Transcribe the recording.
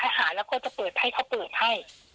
ต้องหาก็จะเปิดให้เขาทำให้